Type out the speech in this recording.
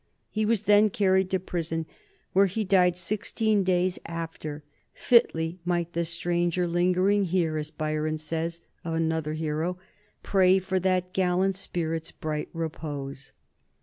He was then carried to prison, where he died sixteen days after. "Fitly might the stranger lingering here," as Byron says of another hero, "pray for that gallant spirit's bright repose."